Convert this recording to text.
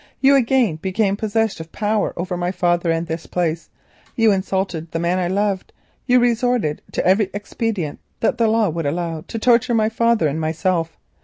You again became possessed of power over my father and this place, you insulted the man I loved, you resorted to every expedient that the law would allow to torture my father and myself.